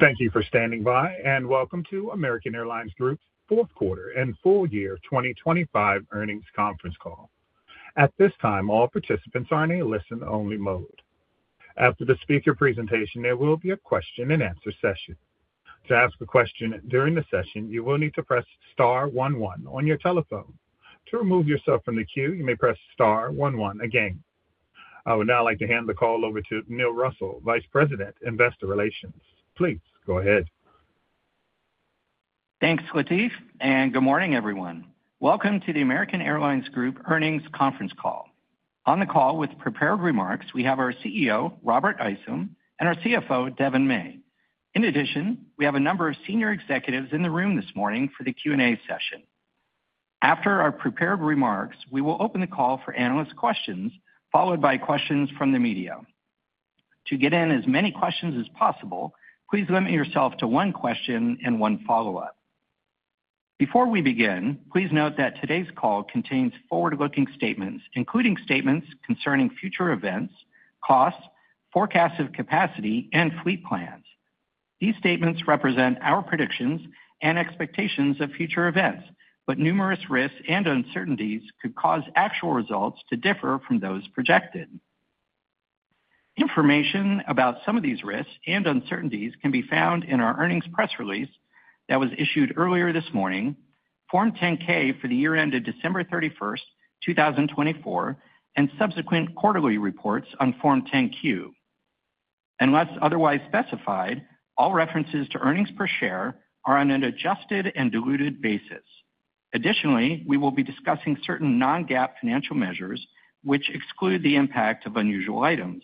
Thank you for standing by, and welcome to American Airlines Group's fourth quarter and full year 2025 earnings conference call. At this time, all participants are in a listen-only mode. After the speaker presentation, there will be a question-and-answer session. To ask a question during the session, you will need to press star one one on your telephone. To remove yourself from the queue, you may press star one one again. I would now like to hand the call over to Neil Russell, Vice President, Investor Relations. Please go ahead. Thanks, Latif, and good morning, everyone. Welcome to the American Airlines Group earnings conference call. On the call, with prepared remarks, we have our CEO, Robert Isom, and our CFO, Devon May. In addition, we have a number of senior executives in the room this morning for the Q&A session. After our prepared remarks, we will open the call for analyst questions, followed by questions from the media. To get in as many questions as possible, please limit yourself to one question and one follow-up. Before we begin, please note that today's call contains forward-looking statements, including statements concerning future events, costs, forecasts of capacity, and fleet plans. These statements represent our predictions and expectations of future events, but numerous risks and uncertainties could cause actual results to differ from those projected. Information about some of these risks and uncertainties can be found in our earnings press release that was issued earlier this morning, Form 10-K for the year ended December 31st, 2024, and subsequent quarterly reports on Form 10-Q. Unless otherwise specified, all references to earnings per share are on an adjusted and diluted basis. Additionally, we will be discussing certain non-GAAP financial measures, which exclude the impact of unusual items.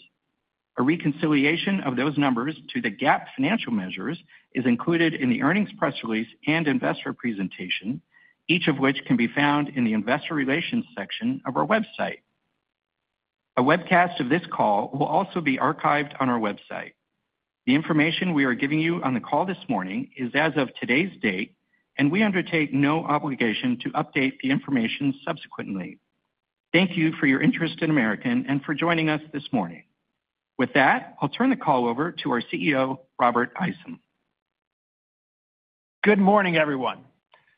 A reconciliation of those numbers to the GAAP financial measures is included in the earnings press release and investor presentation, each of which can be found in the investor relations section of our website. A webcast of this call will also be archived on our website. The information we are giving you on the call this morning is as of today's date, and we undertake no obligation to update the information subsequently. Thank you for your interest in American and for joining us this morning. With that, I'll turn the call over to our CEO, Robert Isom. Good morning, everyone.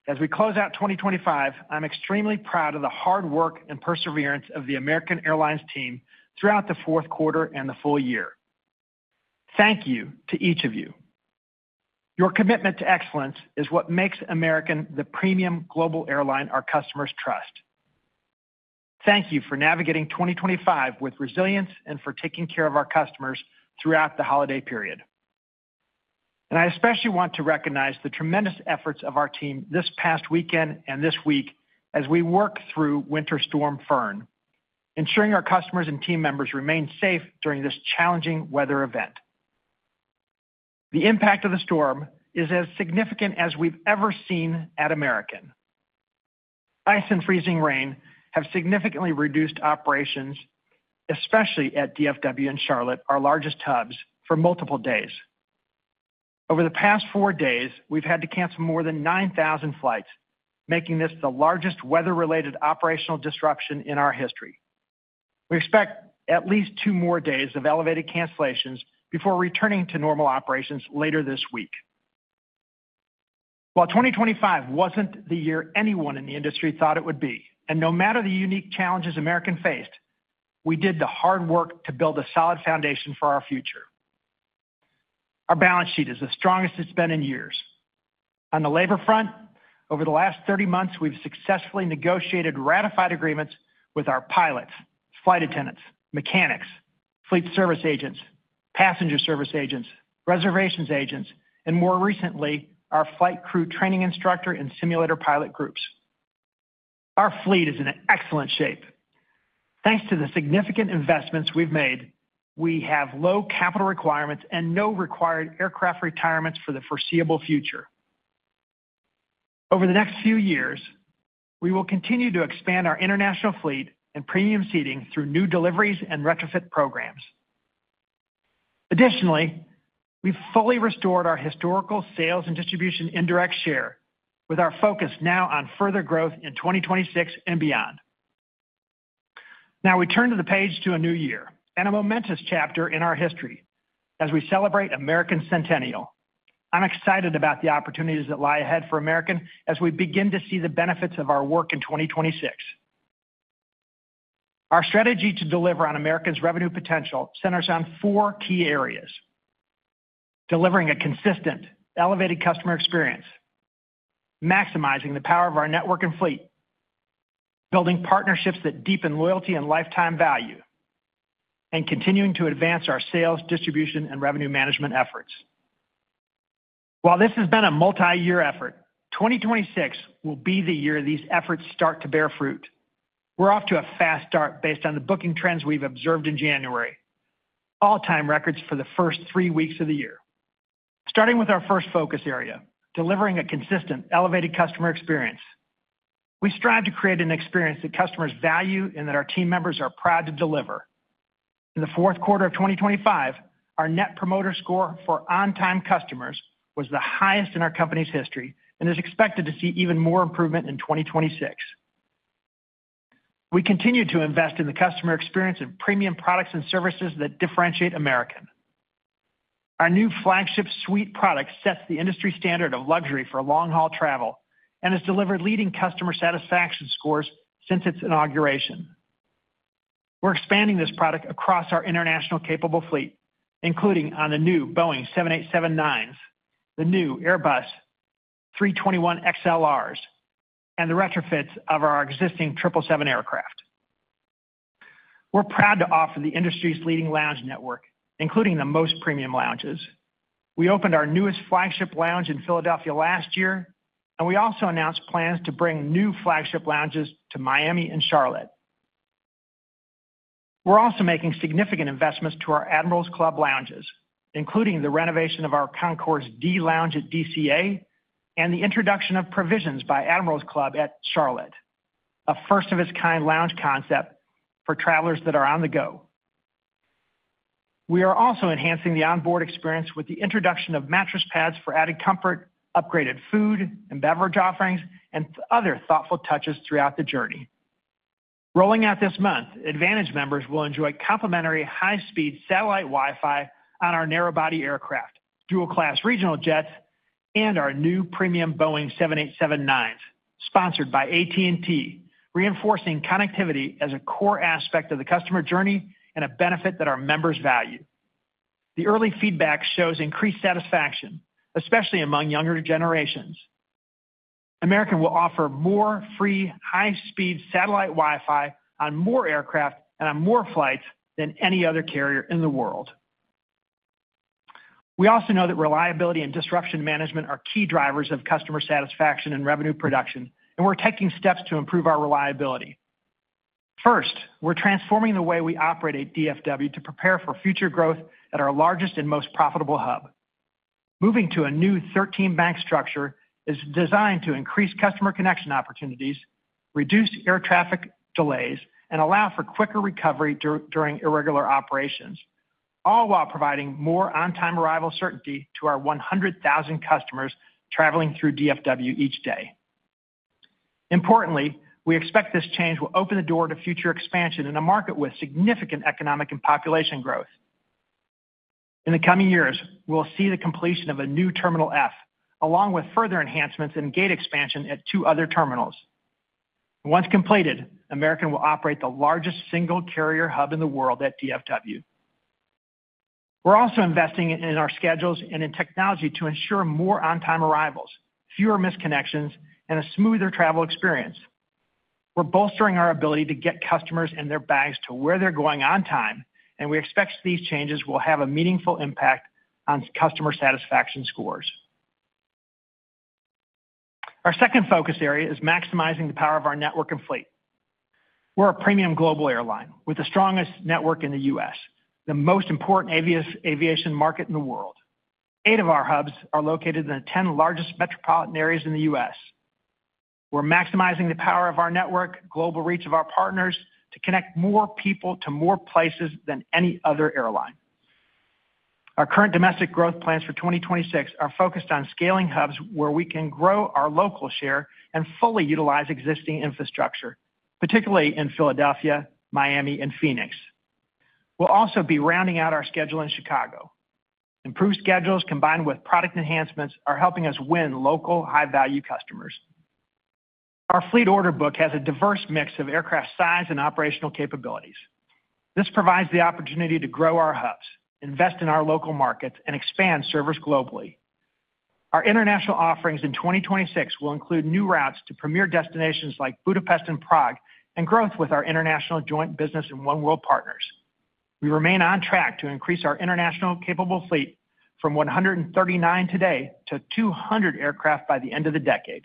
As we close out 2025, I'm extremely proud of the hard work and perseverance of the American Airlines team throughout the fourth quarter and the full year. Thank you to each of you. Your commitment to excellence is what makes American the premium global airline our customers trust. Thank you for navigating 2025 with resilience and for taking care of our customers throughout the holiday period. And I especially want to recognize the tremendous efforts of our team this past weekend and this week as we work through Winter Storm Fern, ensuring our customers and team members remain safe during this challenging weather event. The impact of the storm is as significant as we've ever seen at American. Ice and freezing rain have significantly reduced operations, especially at DFW and Charlotte, our largest hubs, for multiple days. Over the past four days, we've had to cancel more than 9,000 flights, making this the largest weather-related operational disruption in our history. We expect at least two more days of elevated cancellations before returning to normal operations later this week. While 2025 wasn't the year anyone in the industry thought it would be, and no matter the unique challenges American faced, we did the hard work to build a solid foundation for our future. Our balance sheet is the strongest it's been in years. On the labor front, over the last 30 months, we've successfully negotiated ratified agreements with our pilots, flight attendants, mechanics, fleet service agents, passenger service agents, reservations agents, and more recently, our flight crew training instructor and simulator pilot groups. Our fleet is in excellent shape. Thanks to the significant investments we've made, we have low capital requirements and no required aircraft retirements for the foreseeable future. Over the next few years, we will continue to expand our international fleet and premium seating through new deliveries and retrofit programs. Additionally, we've fully restored our historical sales and distribution indirect share, with our focus now on further growth in 2026 and beyond. Now we turn the page to a new year and a momentous chapter in our history as we celebrate American Centennial. I'm excited about the opportunities that lie ahead for American as we begin to see the benefits of our work in 2026. Our strategy to deliver on American's revenue potential centers on four key areas: delivering a consistent, elevated customer experience, maximizing the power of our network and fleet, building partnerships that deepen loyalty and lifetime value, and continuing to advance our sales, distribution, and revenue management efforts. While this has been a multi-year effort, 2026 will be the year these efforts start to bear fruit. We're off to a fast start based on the booking trends we've observed in January, all-time records for the first three weeks of the year. Starting with our first focus area, delivering a consistent, elevated customer experience. We strive to create an experience that customers value and that our team members are proud to deliver. In the fourth quarter of 2025, our Net Promoter Score for on-time customers was the highest in our company's history and is expected to see even more improvement in 2026. We continue to invest in the customer experience and premium products and services that differentiate American. Our new Flagship Suite product sets the industry standard of luxury for long-haul travel and has delivered leading customer satisfaction scores since its inauguration. We're expanding this product across our international capable fleet, including on the new Boeing 787-9s, the new Airbus A321XLRs, and the retrofits of our existing 777 aircraft. We're proud to offer the industry's leading lounge network, including the most premium lounges. We opened our newest Flagship Lounge in Philadelphia last year, and we also announced plans to bring new Flagship Lounges to Miami and Charlotte. We're also making significant investments to our Admirals Club lounges, including the renovation of our Concourse D lounge at DCA and the introduction of Provisions by Admirals Club at Charlotte, a first-of-its-kind lounge concept for travelers that are on the go. We are also enhancing the onboard experience with the introduction of mattress pads for added comfort, upgraded food and beverage offerings, and other thoughtful touches throughout the journey. Rolling out this month, AAdvantage members will enjoy complimentary high-speed satellite Wi-Fi on our narrow-body aircraft, dual-class regional jets, and our new premium Boeing 787-9s, sponsored by AT&T, reinforcing connectivity as a core aspect of the customer journey and a benefit that our members value. The early feedback shows increased satisfaction, especially among younger generations. American will offer more free high-speed satellite Wi-Fi on more aircraft and on more flights than any other carrier in the world. We also know that reliability and disruption management are key drivers of customer satisfaction and revenue production, and we're taking steps to improve our reliability. First, we're transforming the way we operate at DFW to prepare for future growth at our largest and most profitable hub. Moving to a new 13-bank structure is designed to increase customer connection opportunities, reduce air traffic delays, and allow for quicker recovery during irregular operations, all while providing more on-time arrival certainty to our 100,000 customers traveling through DFW each day. Importantly, we expect this change will open the door to future expansion in a market with significant economic and population growth. In the coming years, we'll see the completion of a new Terminal F, along with further enhancements and gate expansion at two other terminals. Once completed, American will operate the largest single carrier hub in the world at DFW. We're also investing in our schedules and in technology to ensure more on-time arrivals, fewer missed connections, and a smoother travel experience. We're bolstering our ability to get customers and their bags to where they're going on time, and we expect these changes will have a meaningful impact on customer satisfaction scores. Our second focus area is maximizing the power of our network and fleet. We're a premium global airline with the strongest network in the U.S., the most important aviation market in the world. Eight of our hubs are located in the 10 largest metropolitan areas in the U.S. We're maximizing the power of our network, global reach of our partners to connect more people to more places than any other airline. Our current domestic growth plans for 2026 are focused on scaling hubs where we can grow our local share and fully utilize existing infrastructure, particularly in Philadelphia, Miami, and Phoenix. We'll also be rounding out our schedule in Chicago. Improved schedules combined with product enhancements are helping us win local, high-value customers. Our fleet order book has a diverse mix of aircraft size and operational capabilities. This provides the opportunity to grow our hubs, invest in our local markets, and expand service globally. Our international offerings in 2026 will include new routes to premier destinations like Budapest and Prague, and growth with our international joint business and oneworld partners. We remain on track to increase our international capable fleet from 139 today to 200 aircraft by the end of the decade.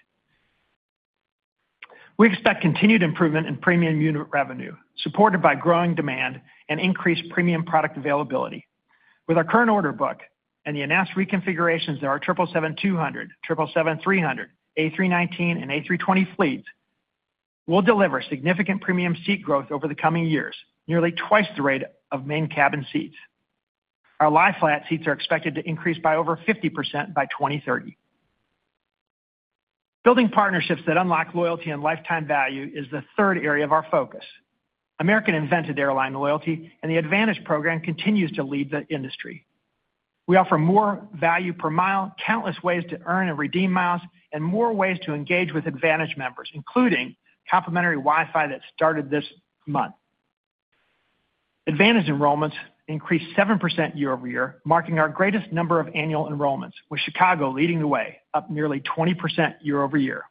We expect continued improvement in premium unit revenue, supported by growing demand and increased premium product availability. With our current order book and the announced reconfigurations of our 777-200, 777-300, A319, and A320 fleets, we'll deliver significant premium seat growth over the coming years, nearly twice the rate of Main Cabin seats. Our lie-flat seats are expected to increase by over 50% by 2030. Building partnerships that unlock loyalty and lifetime value is the third area of our focus. American invented airline loyalty and the AAdvantage program continue to lead the industry. We offer more value per mile, countless ways to earn and redeem miles, and more ways to engage with AAdvantage members, including complimentary Wi-Fi that started this month. AAdvantage enrollments increased 7% year-over-year, marking our greatest number of annual enrollments, with Chicago leading the way, up nearly 20% year-over-year.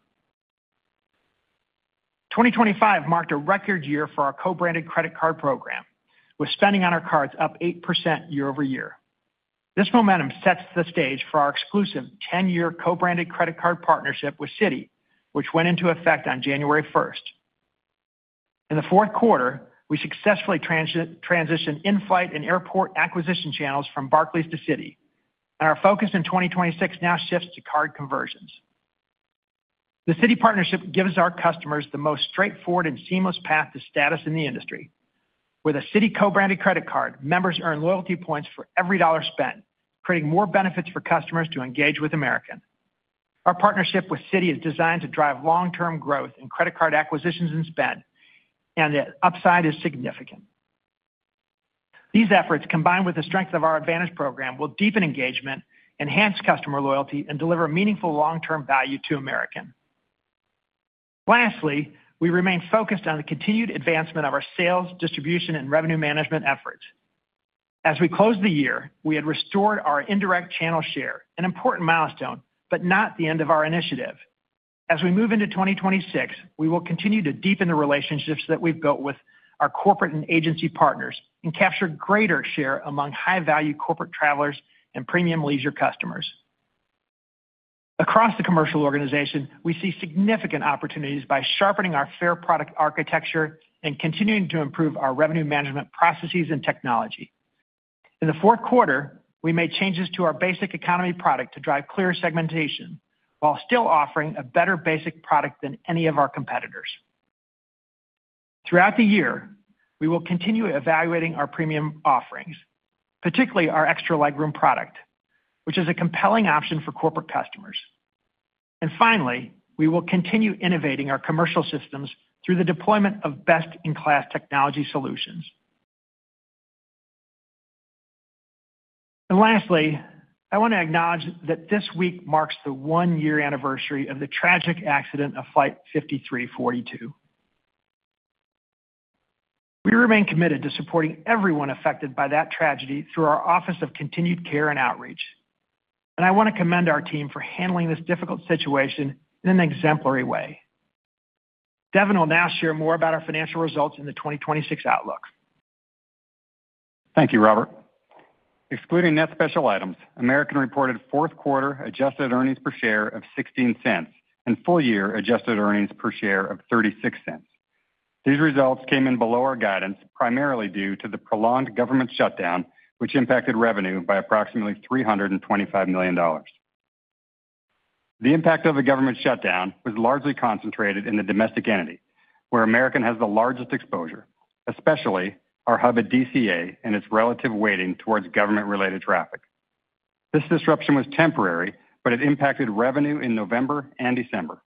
2025 marked a record year for our co-branded credit card program, with spending on our cards up 8% year-over-year. This momentum sets the stage for our exclusive 10-year co-branded credit card partnership with Citi, which went into effect on January 1st. In the fourth quarter, we successfully transitioned in-flight and airport acquisition channels from Barclays to Citi, and our focus in 2026 now shifts to card conversions. The Citi partnership gives our customers the most straightforward and seamless path to status in the industry. With a Citi co-branded credit card, members earn loyalty points for every dollar spent, creating more benefits for customers to engage with American. Our partnership with Citi is designed to drive long-term growth in credit card acquisitions and spend, and the upside is significant. These efforts, combined with the strength of our AAdvantage program, will deepen engagement, enhance customer loyalty, and deliver meaningful long-term value to American. Lastly, we remain focused on the continued advancement of our sales, distribution, and revenue management efforts. As we close the year, we had restored our indirect channel share, an important milestone, but not the end of our initiative. As we move into 2026, we will continue to deepen the relationships that we've built with our corporate and agency partners and capture greater share among high-value corporate travelers and premium leisure customers. Across the commercial organization, we see significant opportunities by sharpening our fair product architecture and continuing to improve our revenue management processes and technology. In the fourth quarter, we made changes to our Basic Economy product to drive clear segmentation while still offering a better basic product than any of our competitors. Throughout the year, we will continue evaluating our premium offerings, particularly our extra legroom product, which is a compelling option for corporate customers. Finally, we will continue innovating our commercial systems through the deployment of best-in-class technology solutions. Lastly, I want to acknowledge that this week marks the one-year anniversary of the tragic accident of Flight 5342. We remain committed to supporting everyone affected by that tragedy through our Office of Continued Care and Outreach, and I want to commend our team for handling this difficult situation in an exemplary way. Devon will now share more about our financial results and the 2026 outlook. Thank you, Robert. Excluding net special items, American reported fourth quarter adjusted earnings per share of $0.16 and full-year adjusted earnings per share of $0.36.These results came in below our guidance, primarily due to the prolonged government shutdown, which impacted revenue by approximately $325 million. The impact of the government shutdown was largely concentrated in the domestic entity, where American has the largest exposure, especially our hub at DCA and its relative weighting towards government-related traffic. This disruption was temporary, but it impacted revenue in November and December.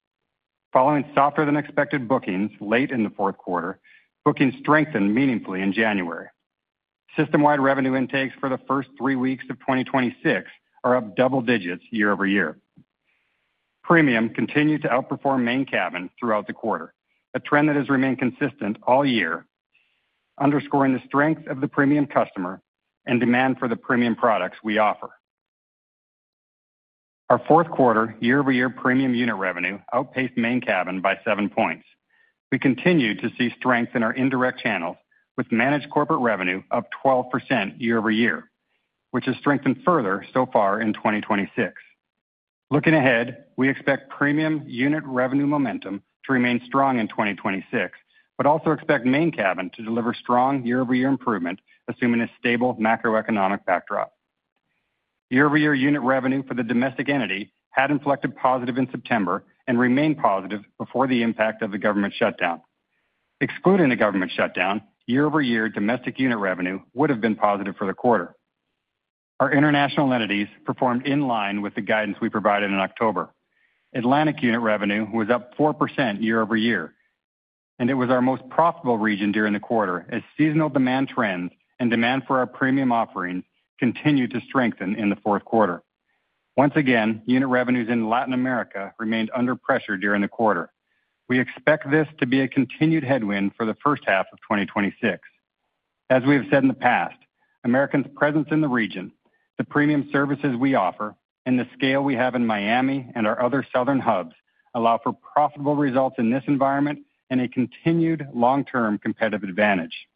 Following softer-than-expected bookings late in the fourth quarter, bookings strengthened meaningfully in January. System-wide revenue intakes for the first three weeks of 2026 are up double digits year-over-year. Premium continued to outperform main cabin throughout the quarter, a trend that has remained consistent all year, underscoring the strength of the premium customer and demand for the premium products we offer. Our fourth-quarter year-over-year premium unit revenue outpaced main cabin by seven points. We continue to see strength in our indirect channels, with managed corporate revenue up 12% year-over-year, which has strengthened further so far in 2026. Looking ahead, we expect premium unit revenue momentum to remain strong in 2026, but also expect main cabin to deliver strong year-over-year improvement, assuming a stable macroeconomic backdrop. Year-over-year unit revenue for the domestic entity had inflected positive in September and remained positive before the impact of the government shutdown. Excluding the government shutdown, year-over-year domestic unit revenue would have been positive for the quarter. Our international entities performed in line with the guidance we provided in October. Atlantic unit revenue was up 4% year-over-year, and it was our most profitable region during the quarter as seasonal demand trends and demand for our premium offerings continued to strengthen in the fourth quarter. Once again, unit revenues in Latin America remained under pressure during the quarter. We expect this to be a continued headwind for the first half of 2026. As we have said in the past, American's presence in the region, the premium services we offer, and the scale we have in Miami and our other southern hubs allow for profitable results in this environment and a continued long-term competitive advantage.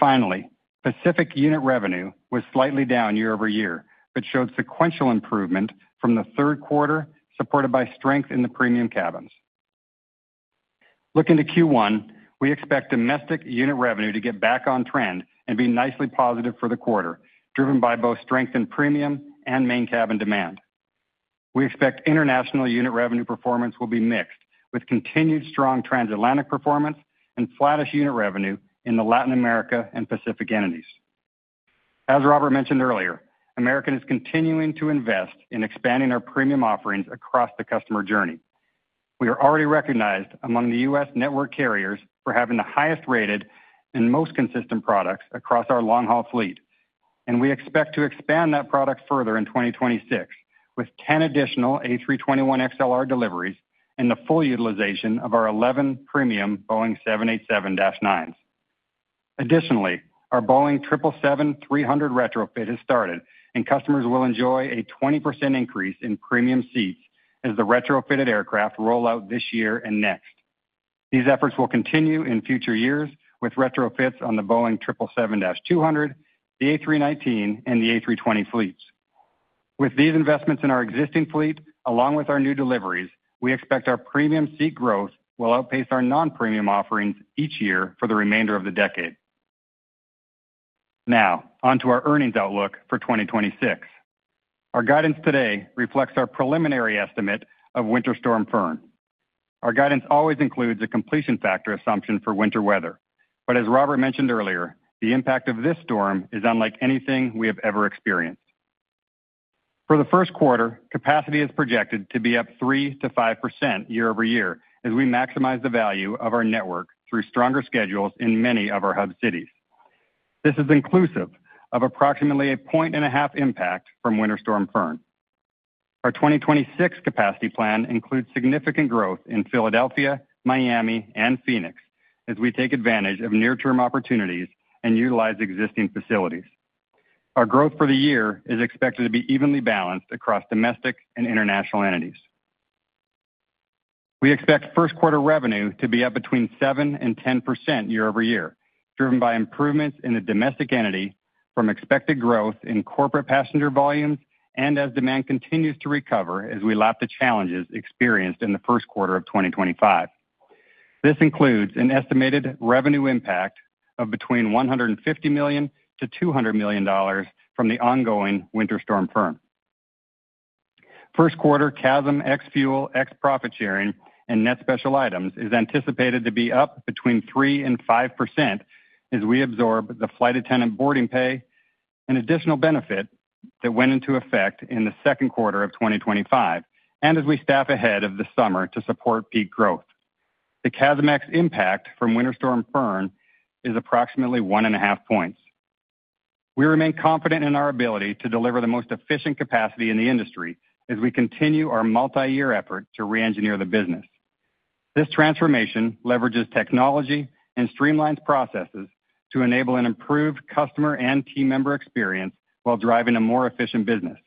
Finally, Pacific unit revenue was slightly down year-over-year, but showed sequential improvement from the third quarter, supported by strength in the premium cabins. Looking to Q1, we expect domestic unit revenue to get back on trend and be nicely positive for the quarter, driven by both strength in premium and main cabin demand. We expect international unit revenue performance will be mixed, with continued strong transatlantic performance and flattish unit revenue in the Latin America and Pacific entities. As Robert mentioned earlier, American is continuing to invest in expanding our premium offerings across the customer journey. We are already recognized among the U.S. network carriers for having the highest-rated and most consistent products across our long-haul fleet, and we expect to expand that product further in 2026 with 10 additional A321XLR deliveries and the full utilization of our 11 premium Boeing 787-9s. Additionally, our Boeing 777-300 retrofit has started, and customers will enjoy a 20% increase in premium seats as the retrofitted aircraft roll out this year and next. These efforts will continue in future years with retrofits on the Boeing 777-200, the A319, and the A320 fleets. With these investments in our existing fleet, along with our new deliveries, we expect our premium seat growth will outpace our non-premium offerings each year for the remainder of the decade. Now, on to our earnings outlook for 2026. Our guidance today reflects our preliminary estimate of Winter Storm Fern. Our guidance always includes a completion factor assumption for winter weather, but as Robert mentioned earlier, the impact of this storm is unlike anything we have ever experienced. For the first quarter, capacity is projected to be up 3%-5% year-over-year as we maximize the value of our network through stronger schedules in many of our hub cities. This is inclusive of approximately a 1.5-point impact from Winter Storm Fern. Our 2026 capacity plan includes significant growth in Philadelphia, Miami, and Phoenix as we take advantage of near-term opportunities and utilize existing facilities. Our growth for the year is expected to be evenly balanced across domestic and international entities. We expect first-quarter revenue to be up between 7% and 10% year-over-year, driven by improvements in the domestic entity from expected growth in corporate passenger volumes and as demand continues to recover as we lap the challenges experienced in the first quarter of 2025. This includes an estimated revenue impact of between $150 million-$200 million from the ongoing Winter Storm Fern. First quarter CASM ex Fuel ex Profit Sharing and net special items is anticipated to be up between 3% and 5% as we absorb the flight attendant boarding pay, an additional benefit that went into effect in the second quarter of 2025, and as we staff ahead of the summer to support peak growth. The CASM ex impact from Winter Storm Fern is approximately 1.5 points. We remain confident in our ability to deliver the most efficient capacity in the industry as we continue our multi-year effort to re-engineer the business. This transformation leverages technology and streamlines processes to enable an improved customer and team member experience while driving a more efficient business.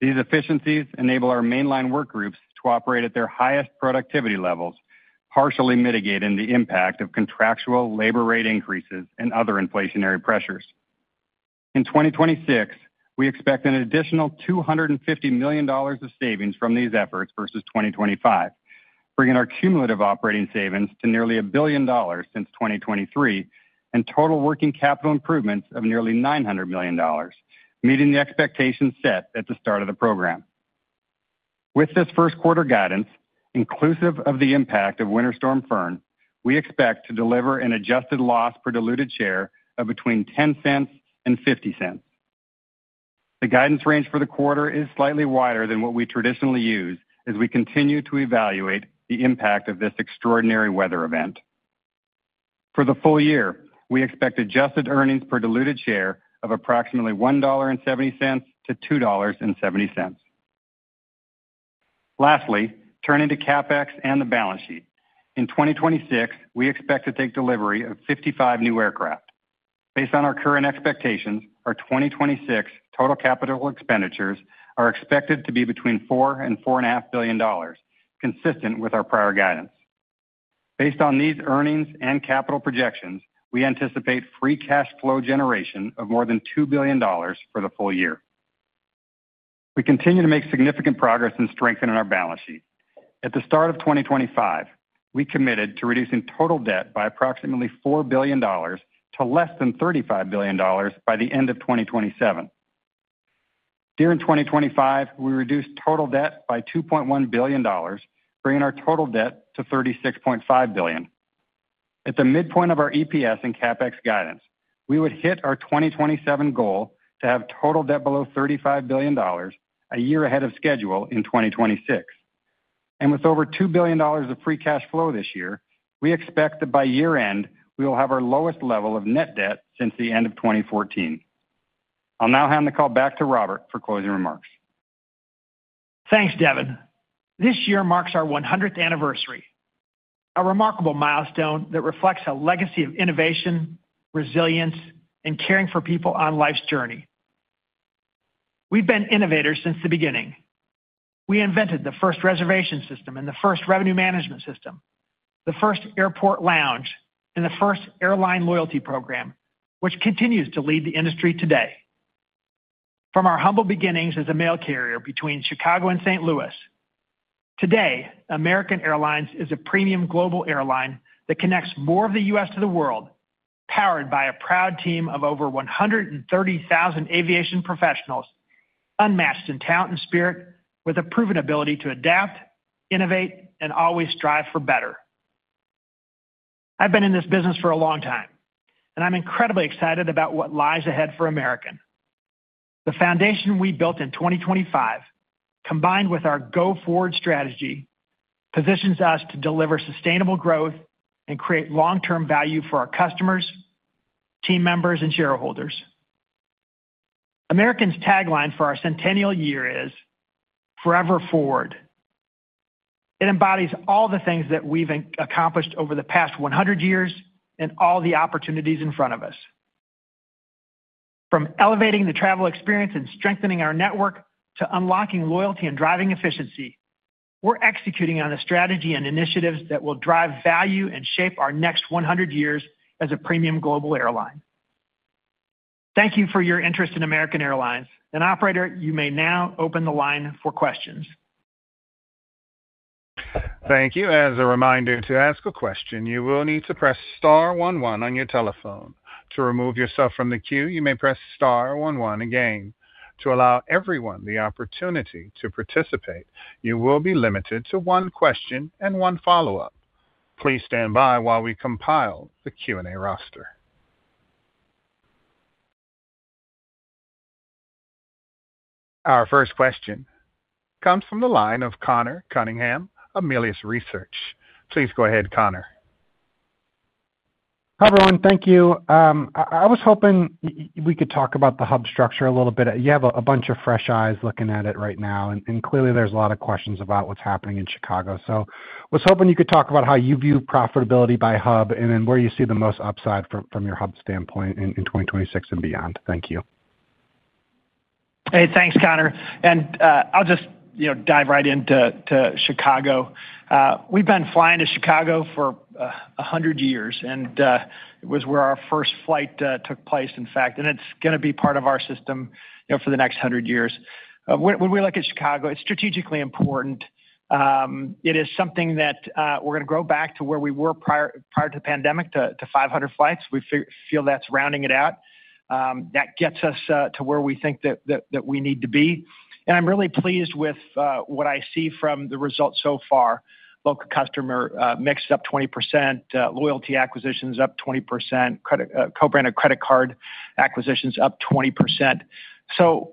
These efficiencies enable our mainline work groups to operate at their highest productivity levels, partially mitigating the impact of contractual labor rate increases and other inflationary pressures. In 2026, we expect an additional $250 million of savings from these efforts versus 2025, bringing our cumulative operating savings to nearly $1 billion since 2023 and total working capital improvements of nearly $900 million, meeting the expectations set at the start of the program. With this first quarter guidance, inclusive of the impact of Winter Storm Fern, we expect to deliver an adjusted loss per diluted share of between $0.10 and $0.50. The guidance range for the quarter is slightly wider than what we traditionally use as we continue to evaluate the impact of this extraordinary weather event. For the full year, we expect adjusted earnings per diluted share of approximately $1.70-$2.70. Lastly, turning to CapEx and the balance sheet, in 2026, we expect to take delivery of 55 new aircraft. Based on our current expectations, our 2026 total capital expenditures are expected to be between $4 billion-$4.5 billion, consistent with our prior guidance. Based on these earnings and capital projections, we anticipate free cash flow generation of more than $2 billion for the full year. We continue to make significant progress and strengthen our balance sheet. At the start of 2025, we committed to reducing total debt by approximately $4 billion to less than $35 billion by the end of 2027. During 2025, we reduced total debt by $2.1 billion, bringing our total debt to $36.5 billion. At the midpoint of our EPS and CapEx guidance, we would hit our 2027 goal to have total debt below $35 billion a year ahead of schedule in 2026. With over $2 billion of free cash flow this year, we expect that by year-end, we will have our lowest level of net debt since the end of 2014. I'll now hand the call back to Robert for closing remarks. Thanks, Devon. This year marks our 100th anniversary, a remarkable milestone that reflects a legacy of innovation, resilience, and caring for people on life's journey. We've been innovators since the beginning. We invented the first reservation system and the first revenue management system, the first airport lounge, and the first airline loyalty program, which continues to lead the industry today. From our humble beginnings as a mail carrier between Chicago and St. Louis, today. American Airlines is a premium global airline that connects more of the U.S. to the world, powered by a proud team of over 130,000 aviation professionals, unmatched in talent and spirit, with a proven ability to adapt, innovate, and always strive for better. I've been in this business for a long time, and I'm incredibly excited about what lies ahead for American. The foundation we built in 2025, combined with our go-forward strategy, positions us to deliver sustainable growth and create long-term value for our customers, team members, and shareholders. American's tagline for our centennial year is, "Forever Forward." It embodies all the things that we've accomplished over the past 100 years and all the opportunities in front of us. From elevating the travel experience and strengthening our network to unlocking loyalty and driving efficiency, we're executing on a strategy and initiatives that will drive value and shape our next 100 years as a premium global airline. Thank you for your interest in American Airlines. Operator, you may now open the line for questions. Thank you. As a reminder to ask a question, you will need to press star one one on your telephone. To remove yourself from the queue, you may press star one one again. To allow everyone the opportunity to participate, you will be limited to one question and one follow-up. Please stand by while we compile the Q&A roster. Our first question comes from the line of Conor Cunningham, Melius Research. Please go ahead, Conor. Hi, everyone. Thank you. I was hoping we could talk about the hub structure a little bit. You have a bunch of fresh eyes looking at it right now, and clearly there's a lot of questions about what's happening in Chicago. So I was hoping you could talk about how you view profitability by hub and then where you see the most upside from your hub standpoint in 2026 and beyond. Thank you. Hey, thanks, Conor. I'll just dive right into Chicago. We've been flying to Chicago for 100 years, and it was where our first flight took place, in fact, and it's going to be part of our system for the next 100 years. When we look at Chicago, it's strategically important. It is something that we're going to grow back to where we were prior to the pandemic, to 500 flights. We feel that's rounding it out. That gets us to where we think that we need to be. And I'm really pleased with what I see from the results so far. Local customer mix is up 20%, loyalty acquisitions up 20%, co-branded credit card acquisitions up 20%.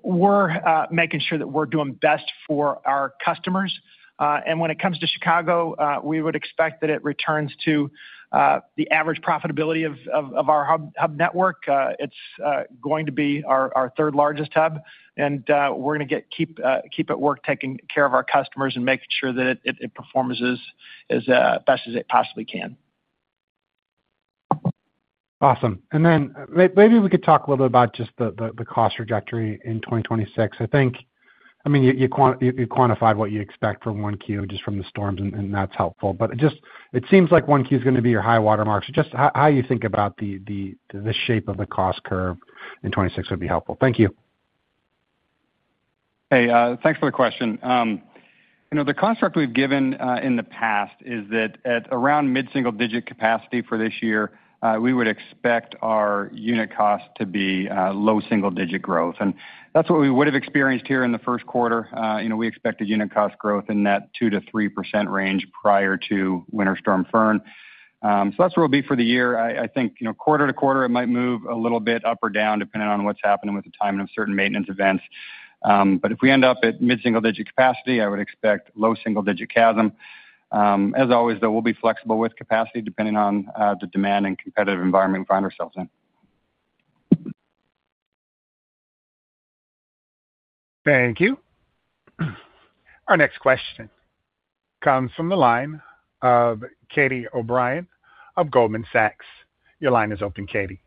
We're making sure that we're doing best for our customers. And when it comes to Chicago, we would expect that it returns to the average profitability of our hub network. It's going to be our third largest hub, and we're going to keep at work taking care of our customers and making sure that it performs as best as it possibly can. Awesome. And then maybe we could talk a little bit about just the cost trajectory in 2026. I mean, you quantified what you expect from 1Q just from the storms, and that's helpful. But it seems like 1Q is going to be your high watermark. So just how you think about the shape of the cost curve in 2026 would be helpful. Thank you. Hey, thanks for the question. The construct we've given in the past is that at around mid-single-digit capacity for this year, we would expect our unit cost to be low single-digit growth. That's what we would have experienced here in the first quarter. We expected unit cost growth in that 2%-3% range prior to Winter Storm Fern. That's where we'll be for the year. I think quarter to quarter, it might move a little bit up or down depending on what's happening with the timing of certain maintenance events. If we end up at mid-single-digit capacity, I would expect low single-digit CASM. As always, though, we'll be flexible with capacity depending on the demand and competitive environment we find ourselves in. Thank you. Our next question comes from the line of Catie O'Brien of Goldman Sachs. Your line is open, Catie.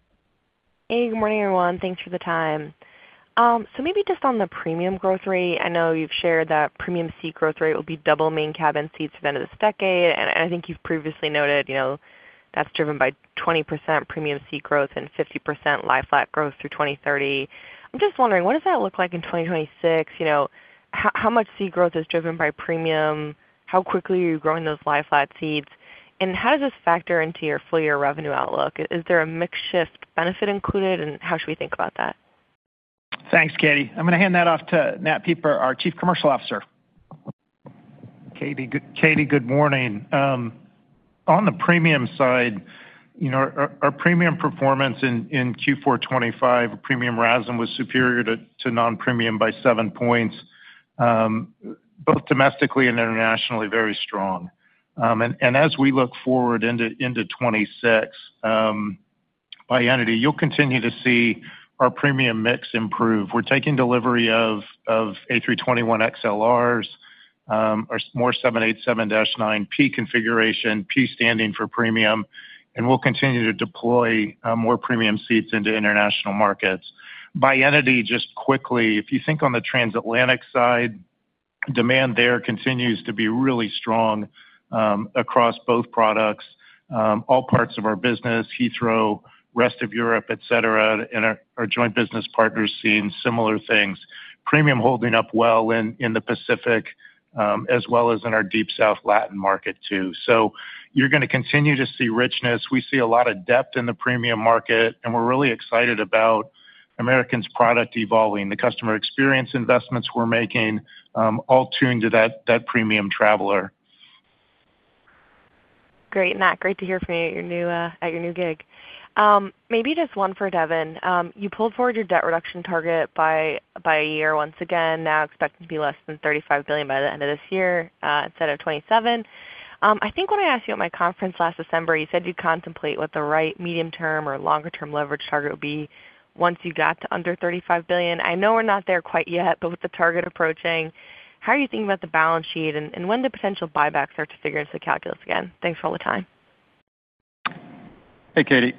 Hey, good morning, everyone. Thanks for the time. So maybe just on the premium growth rate, I know you've shared that premium seat growth rate will be double main cabin seats at the end of this decade. And I think you've previously noted that's driven by 20% premium seat growth and 50% lie-flat growth through 2030. I'm just wondering, what does that look like in 2026? How much seat growth is driven by premium? How quickly are you growing those lie-flat seats? And how does this factor into your full-year revenue outlook? Is there a mixed-shift benefit included, and how should we think about that? Thanks, Katie. I'm going to hand that off to Nat Pieper, our Chief Commercial Officer. Katie, good morning. On the premium side, our premium performance in Q4 2025, premium RASM was superior to non-premium by seven points, both domestically and internationally, very strong. As we look forward into 2026, by entity, you'll continue to see our premium mix improve. We're taking delivery of A321XLRs, our more 787-9P configuration, P standing for premium, and we'll continue to deploy more premium seats into international markets. By entity, just quickly, if you think on the transatlantic side, demand there continues to be really strong across both products. All parts of our business, Heathrow, rest of Europe, etc., and our joint business partners seeing similar things. Premium holding up well in the Pacific, as well as in our Latin American market too. So you're going to continue to see richness. We see a lot of depth in the premium market, and we're really excited about American's product evolving. The customer experience investments we're making all tuned to that premium traveler. Great, Nat. Great to hear from you at your new gig. Maybe just one for Devon. You pulled forward your debt reduction target by a year once again, now expecting to be less than $35 billion by the end of this year instead of 2027. I think when I asked you at my conference last December, you said you'd contemplate what the right medium-term or longer-term leverage target would be once you got to under $35 billion. I know we're not there quite yet, but with the target approaching, how are you thinking about the balance sheet and when the potential buybacks start to figure into the calculus again? Thanks for all the time. Hey, Katie.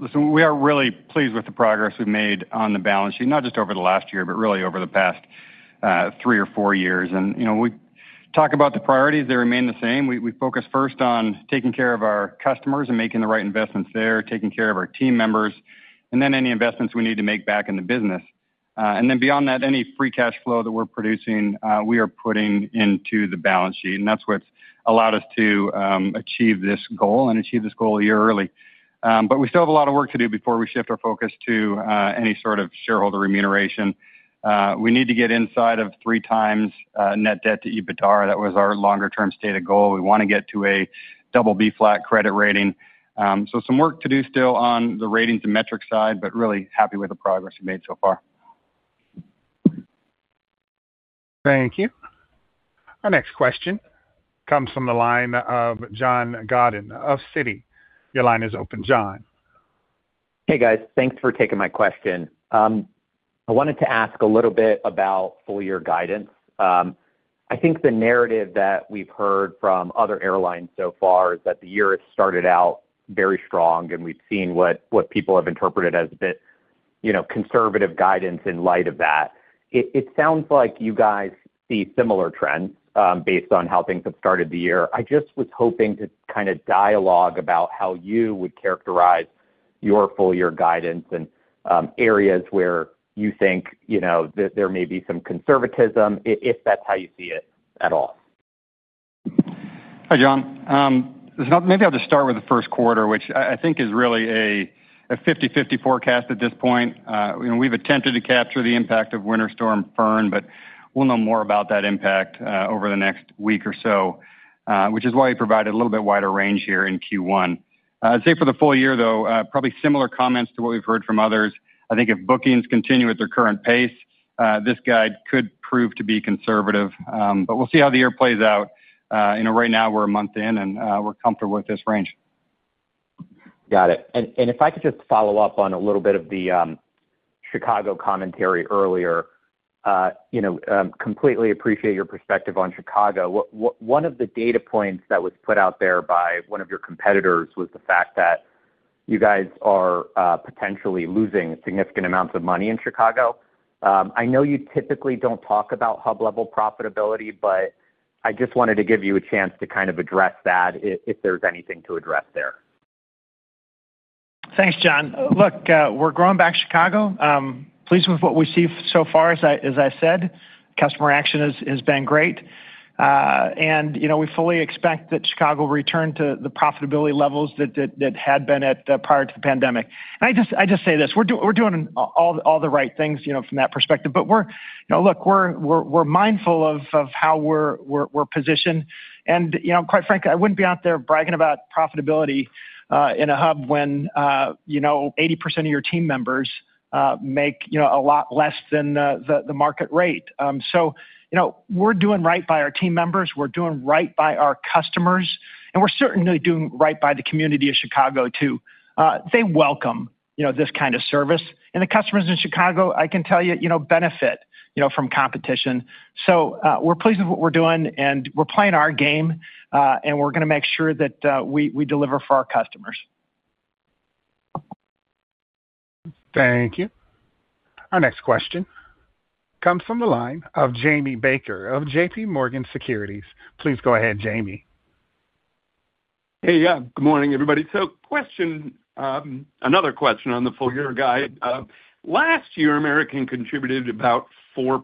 Listen, we are really pleased with the progress we've made on the balance sheet, not just over the last year, but really over the past three or four years. We talk about the priorities, they remain the same. We focus first on taking care of our customers and making the right investments there, taking care of our team members, and then any investments we need to make back in the business. Then beyond that, any Free Cash Flow that we're producing, we are putting into the balance sheet. That's what's allowed us to achieve this goal and achieve this goal a year early. We still have a lot of work to do before we shift our focus to any sort of shareholder remuneration. We need to get inside of 3x net debt to EBITDA. That was our longer-term stated goal. We want to get to a BB flat credit rating. Some work to do still on the ratings and metric side, but really happy with the progress we've made so far. Thank you. Our next question comes from the line of John Godyn of Citi. Your line is open, John. Hey, guys. Thanks for taking my question. I wanted to ask a little bit about full-year guidance. I think the narrative that we've heard from other airlines so far is that the year has started out very strong, and we've seen what people have interpreted as a bit conservative guidance in light of that. It sounds like you guys see similar trends based on how things have started the year. I just was hoping to kind of dialogue about how you would characterize your full-year guidance and areas where you think there may be some conservatism, if that's how you see it at all. Hi, John. Maybe I'll just start with the first quarter, which I think is really a 50/50 forecast at this point. We've attempted to capture the impact of Winter Storm Fern, but we'll know more about that impact over the next week or so, which is why we provided a little bit wider range here in Q1. I'd say for the full year, though, probably similar comments to what we've heard from others. I think if bookings continue at their current pace, this guide could prove to be conservative. But we'll see how the year plays out. Right now, we're a month in, and we're comfortable with this range. Got it. And if I could just follow up on a little bit of the Chicago commentary earlier, completely appreciate your perspective on Chicago. One of the data points that was put out there by one of your competitors was the fact that you guys are potentially losing significant amounts of money in Chicago. I know you typically don't talk about hub-level profitability, but I just wanted to give you a chance to kind of address that if there's anything to address there. Thanks, John. Look, we're growing back Chicago. Pleased with what we see so far, as I said. Customer action has been great. And we fully expect that Chicago will return to the profitability levels that had been prior to the pandemic. I just say this. We're doing all the right things from that perspective. But look, we're mindful of how we're positioned. And quite frankly, I wouldn't be out there bragging about profitability in a hub when 80% of your team members make a lot less than the market rate. So we're doing right by our team members. We're doing right by our customers. And we're certainly doing right by the community of Chicago too. They welcome this kind of service. And the customers in Chicago, I can tell you, benefit from competition. So we're pleased with what we're doing, and we're playing our game, and we're going to make sure that we deliver for our customers. Thank you. Our next question comes from the line of Jamie Baker of JPMorgan Securities. Please go ahead, Jamie. Hey, yeah. Good morning, everybody. So another question on the full-year guide. Last year, American contributed about 4%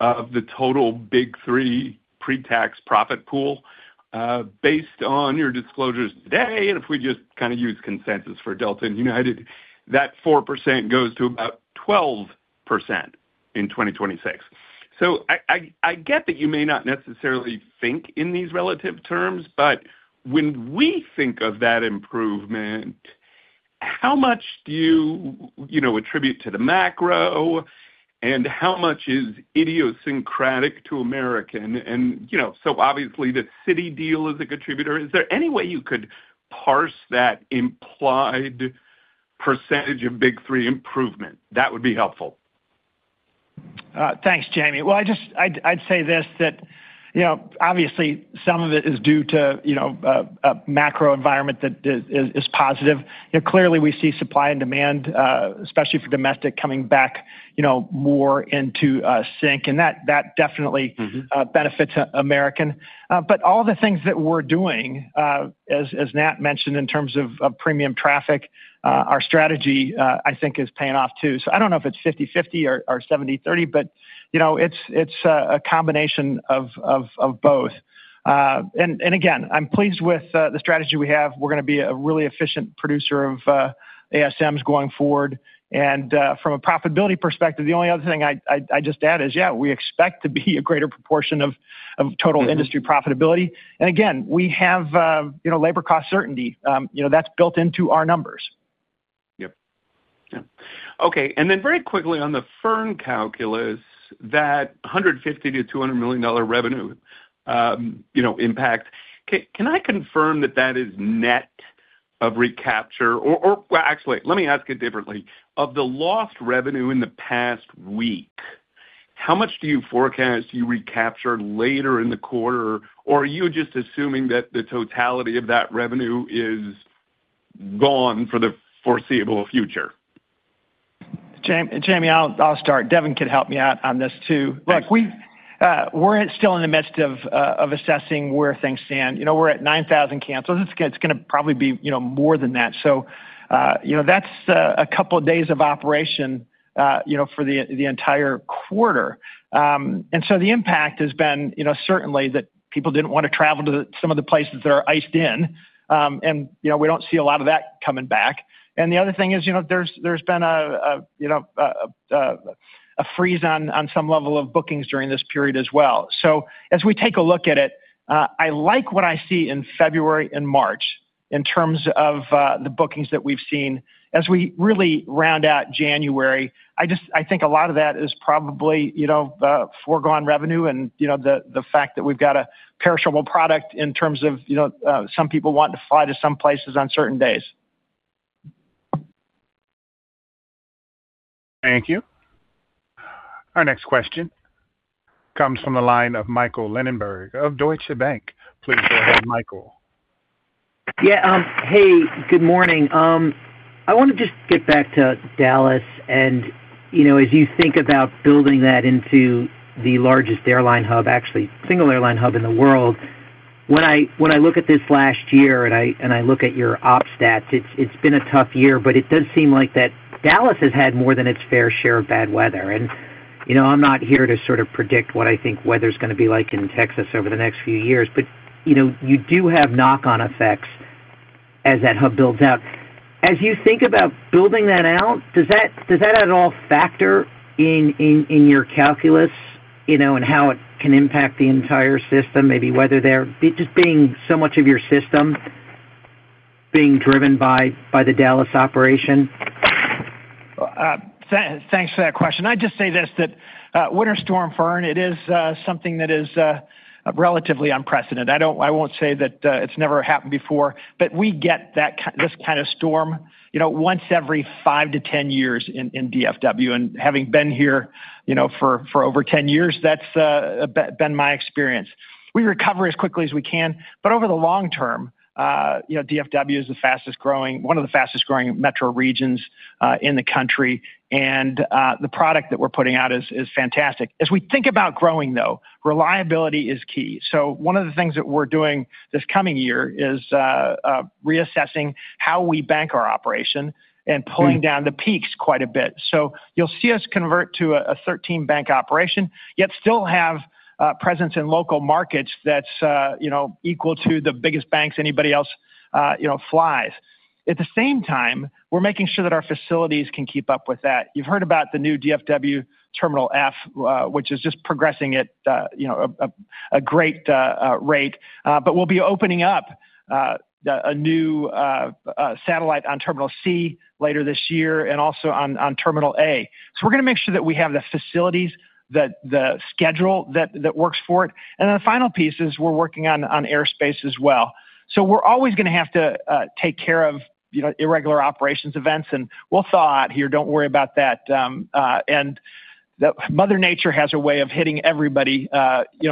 of the total Big Three pre-tax profit pool. Based on your disclosures today, and if we just kind of use consensus for Delta and United, that 4% goes to about 12% in 2026. So I get that you may not necessarily think in these relative terms, but when we think of that improvement, how much do you attribute to the macro, and how much is idiosyncratic to American? And so obviously, the Citi deal is a contributor. Is there any way you could parse that implied percentage of Big Three improvement? That would be helpful. Thanks, Jamie. Well, I'd say this, that obviously, some of it is due to a macro environment that is positive. Clearly, we see supply and demand, especially for domestic, coming back more into sync. And that definitely benefits American. But all the things that we're doing, as Nat mentioned, in terms of premium traffic, our strategy, I think, is paying off too. So I don't know if it's 50/50 or 70/30, but it's a combination of both. And again, I'm pleased with the strategy we have. We're going to be a really efficient producer of ASMs going forward. And from a profitability perspective, the only other thing I just add is, yeah, we expect to be a greater proportion of total industry profitability. And again, we have labor cost certainty. That's built into our numbers. Yep. Yep. Okay. And then very quickly, on the Fern calculus, that $150 million-$200 million revenue impact, can I confirm that that is net of recapture? Or actually, let me ask it differently. Of the lost revenue in the past week, how much do you forecast you recapture later in the quarter, or are you just assuming that the totality of that revenue is gone for the foreseeable future? Jamie, I'll start. Devon could help me out on this too. Look, we're still in the midst of assessing where things stand. We're at 9,000 cancels. It's going to probably be more than that. So that's a couple of days of operation for the entire quarter. And so the impact has been certainly that people didn't want to travel to some of the places that are iced in. We don't see a lot of that coming back. And the other thing is there's been a freeze on some level of bookings during this period as well. So as we take a look at it, I like what I see in February and March in terms of the bookings that we've seen. As we really round out January, I think a lot of that is probably foregone revenue and the fact that we've got a perishable product in terms of some people wanting to fly to some places on certain days. Thank you. Our next question comes from the line of Michael Linenberg of Deutsche Bank. Please go ahead, Michael. Yeah. Hey, good morning. I want to just get back to Dallas. And as you think about building that into the largest airline hub, actually, single airline hub in the world, when I look at this last year and I look at your op stats, it's been a tough year, but it does seem like that Dallas has had more than its fair share of bad weather. And I'm not here to sort of predict what I think weather's going to be like in Texas over the next few years, but you do have knock-on effects as that hub builds out. As you think about building that out, does that at all factor in your calculus and how it can impact the entire system, maybe whether they're just being so much of your system being driven by the Dallas operation? Thanks for that question. I'd just say this: that Winter Storm Fern, it is something that is relatively unprecedented. I won't say that it's never happened before, but we get this kind of storm once every five to 10 years in DFW. And having been here for over 10 years, that's been my experience. We recover as quickly as we can. But over the long term, DFW is one of the fastest growing metro regions in the country. And the product that we're putting out is fantastic. As we think about growing, though, reliability is key. So one of the things that we're doing this coming year is reassessing how we bank our operation and pulling down the peaks quite a bit. So you'll see us convert to a 13-bank operation, yet still have a presence in local markets that's equal to the biggest banks anybody else flies. At the same time, we're making sure that our facilities can keep up with that. You've heard about the new DFW Terminal F, which is just progressing at a great rate. But we'll be opening up a new satellite on Terminal C later this year and also on Terminal A. So we're going to make sure that we have the facilities, the schedule that works for it. And then the final piece is we're working on airspace as well. So we're always going to have to take care of irregular operations events. And we'll thaw out here. Don't worry about that. And Mother Nature has a way of hitting everybody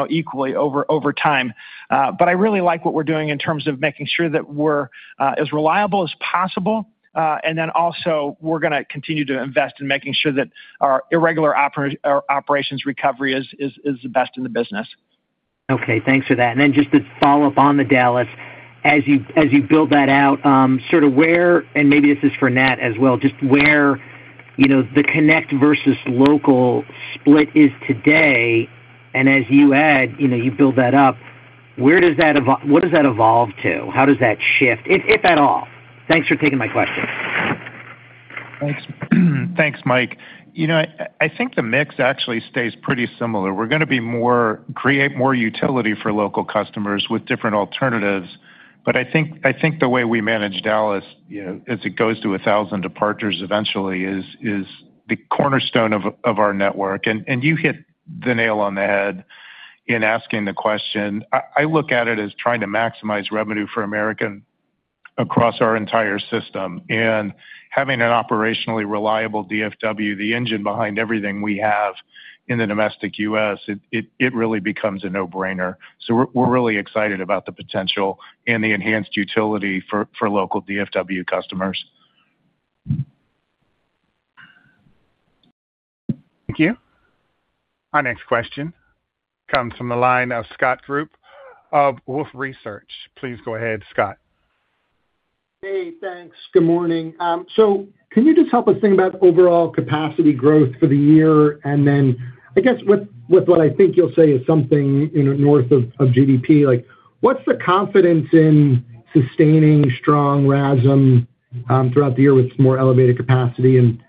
equally over time. But I really like what we're doing in terms of making sure that we're as reliable as possible. And then also, we're going to continue to invest in making sure that our irregular operations recovery is the best in the business. Okay. Thanks for that. And then just to follow up on the Dallas, as you build that out, sort of where—and maybe this is for Nat as well—just where the connect versus local split is today. And as you add, you build that up, what does that evolve to? How does that shift, if at all? Thanks for taking my question. Thanks. Thanks, Mike. I think the mix actually stays pretty similar. We're going to create more utility for local customers with different alternatives. But I think the way we manage Dallas, as it goes to 1,000 departures eventually, is the cornerstone of our network. And you hit the nail on the head in asking the question. I look at it as trying to maximize revenue for American across our entire system. And having an operationally reliable DFW, the engine behind everything we have in the domestic U.S., it really becomes a no-brainer. So we're really excited about the potential and the enhanced utility for local DFW customers. Thank you. Our next question comes from the line of Scott Group of Wolfe Research. Please go ahead, Scott. Hey, thanks. Good morning. So can you just help us think about overall capacity growth for the year? And then I guess with what I think you'll say is something north of GDP, what's the confidence in sustaining strong RASM throughout the year with more elevated capacity? And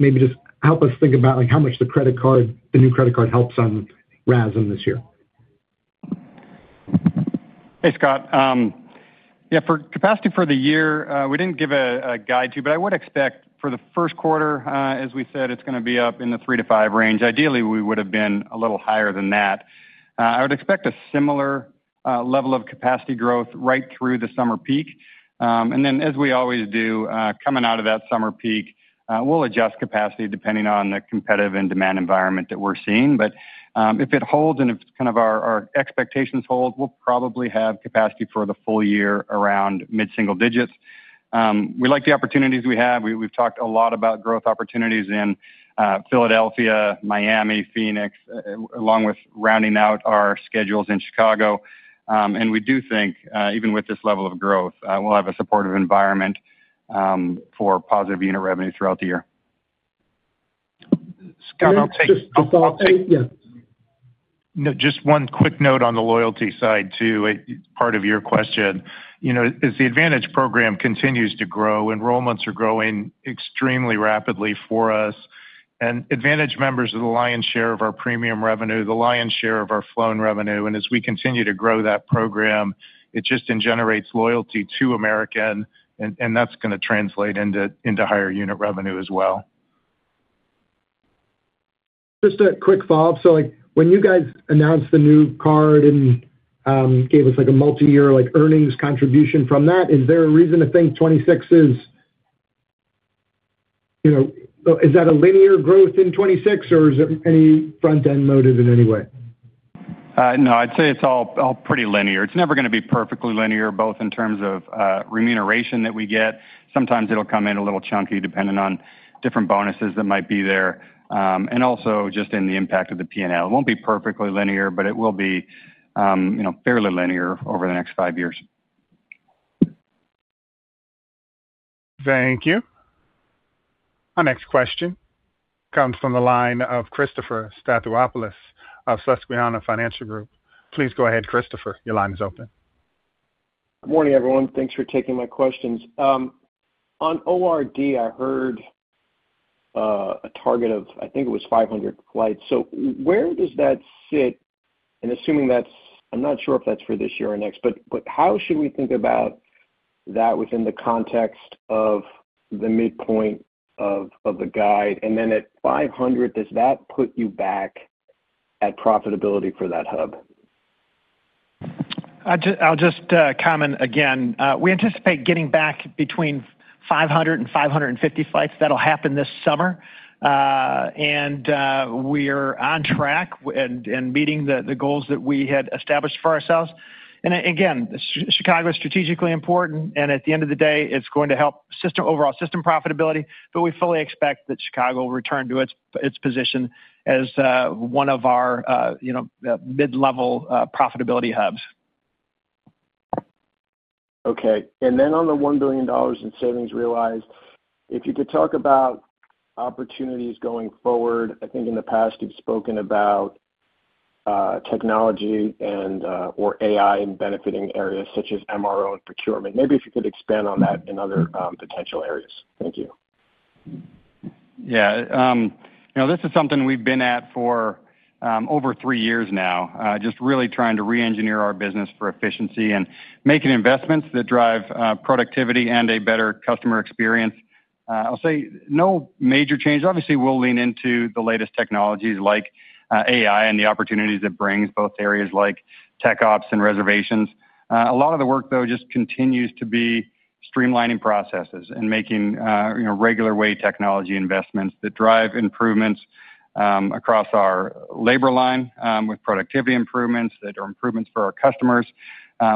maybe just help us think about how much the new credit card helps on RASM this year. Hey, Scott. Yeah, for capacity for the year, we didn't give a guide to you, but I would expect for the first quarter, as we said, it's going to be up in the 3%-5% range. Ideally, we would have been a little higher than that. I would expect a similar level of capacity growth right through the summer peak. And then, as we always do, coming out of that summer peak, we'll adjust capacity depending on the competitive and demand environment that we're seeing. But if it holds and if kind of our expectations hold, we'll probably have capacity for the full year around mid-single digits. We like the opportunities we have. We've talked a lot about growth opportunities in Philadelphia, Miami, Phoenix, along with rounding out our schedules in Chicago. And we do think, even with this level of growth, we'll have a supportive environment for positive unit revenue throughout the year. Scott, I'll take yeah. Just one quick note on the loyalty side too, part of your question. As the Advantage program continues to grow, enrollments are growing extremely rapidly for us. AAdvantage members are the lion's share of our premium revenue, the lion's share of our flown revenue. As we continue to grow that program, it just generates loyalty to American. And that's going to translate into higher unit revenue as well. Just a quick follow-up. When you guys announced the new card and gave us a multi-year earnings contribution from that, is there a reason to think 2026—is that a linear growth in 2026, or is there any front-end motive in any way? No, I'd say it's all pretty linear. It's never going to be perfectly linear, both in terms of remuneration that we get. Sometimes it'll come in a little chunky depending on different bonuses that might be there. And also just in the impact of the P&L. It won't be perfectly linear, but it will be fairly linear over the next five years. Thank you. Our next question comes from the line of Christopher Stathoulopoulos of Susquehanna Financial Group. Please go ahead, Christopher. Your line is open. Good morning, everyone. Thanks for taking my questions. On ORD, I heard a target of, I think it was 500 flights. So where does that sit? And assuming that's, I'm not sure if that's for this year or next, but how should we think about that within the context of the midpoint of the guide? And then at 500, does that put you back at profitability for that hub? I'll just comment again. We anticipate getting back between 500 and 550 flights. That'll happen this summer. And we're on track and meeting the goals that we had established for ourselves. And again, Chicago is strategically important. And at the end of the day, it's going to help overall system profitability. But we fully expect that Chicago will return to its position as one of our mid-level profitability hubs. Okay. And then on the $1 billion in savings realized, if you could talk about opportunities going forward, I think in the past you've spoken about technology or AI and benefiting areas such as MRO and procurement. Maybe if you could expand on that in other potential areas. Thank you. Yeah. This is something we've been at for over three years now, just really trying to re-engineer our business for efficiency and making investments that drive productivity and a better customer experience. I'll say no major changes. Obviously, we'll lean into the latest technologies like AI and the opportunities it brings, both areas like Tech Ops and reservations. A lot of the work, though, just continues to be streamlining processes and making regular way technology investments that drive improvements across our labor line with productivity improvements that are improvements for our customers.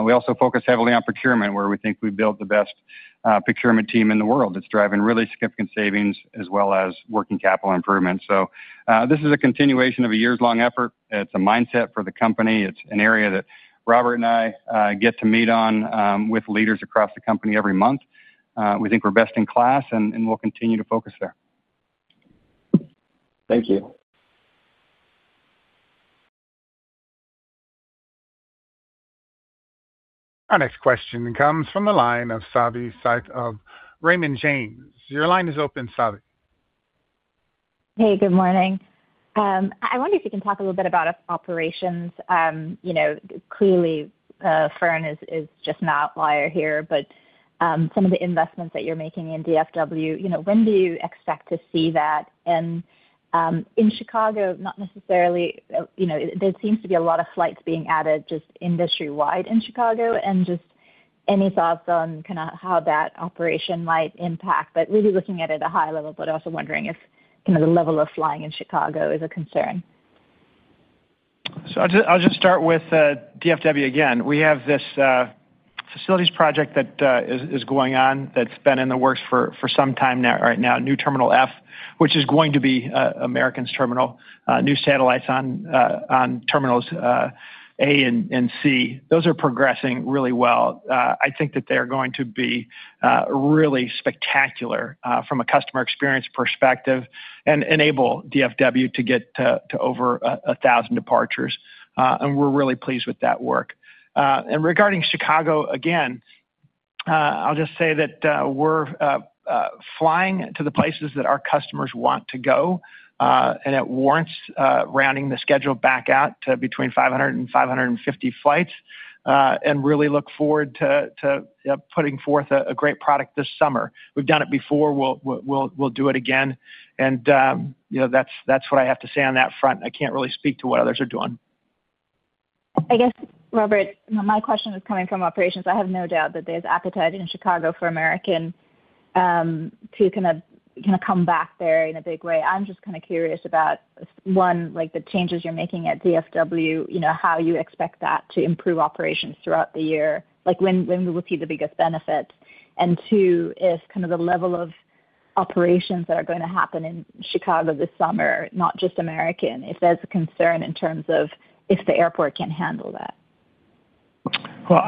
We also focus heavily on procurement, where we think we built the best procurement team in the world that's driving really significant savings as well as working capital improvements. So this is a continuation of a years-long effort. It's a mindset for the company. It's an area that Robert and I get to meet on with leaders across the company every month. We think we're best in class, and we'll continue to focus there. Thank you. Our next question comes from the line of Savi Syth of Raymond James. Your line is open, Savi. Hey, good morning. I wonder if you can talk a little bit about operations. Clearly, Fern is just an outlier here, but some of the investments that you're making in DFW, when do you expect to see that? And in Chicago, not necessarily, there seems to be a lot of flights being added just industry-wide in Chicago. And just any thoughts on kind of how that operation might impact, but really looking at it at a high level, but also wondering if kind of the level of flying in Chicago is a concern. So I'll just start with DFW again. We have this facilities project that is going on that's been in the works for some time right now, new Terminal F, which is going to be American's terminal, new satellites on Terminals A and C. Those are progressing really well. I think that they're going to be really spectacular from a customer experience perspective and enable DFW to get to over 1,000 departures. And we're really pleased with that work. And regarding Chicago, again, I'll just say that we're flying to the places that our customers want to go. And it warrants rounding the schedule back out to between 500-550 flights and really look forward to putting forth a great product this summer. We've done it before. We'll do it again. And that's what I have to say on that front. I can't really speak to what others are doing. I guess, Robert, my question is coming from operations. I have no doubt that there's appetite in Chicago for American to kind of come back there in a big way. I'm just kind of curious about, one, the changes you're making at DFW, how you expect that to improve operations throughout the year, when we will see the biggest benefits. And two, if kind of the level of operations that are going to happen in Chicago this summer, not just American, if there's a concern in terms of if the airport can handle that. Well,